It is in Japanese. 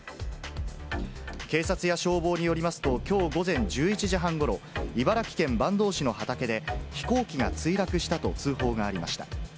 警察や消防によりますと、きょう午前１１時半ごろ、茨城県坂東市の畑で飛行機が墜落したと通報がありました。